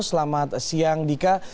selamat siang dika